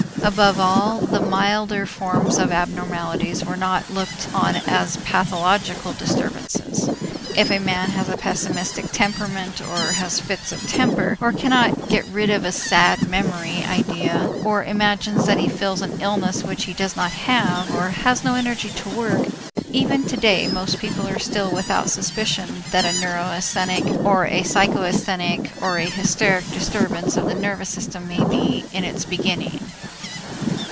Above all, the milder forms of abnormities were not looked on as pathological disturbances. If a man has a pessimistic temperament, or has fits of temper, or cannot get rid of a sad memory idea, or imagines that he feels an illness which he does not have, or has no energy to work, even today most people are still without suspicion that a neurasthenic or a psychasthenic or a hysteric disturbance of the nervous system may be in its beginning.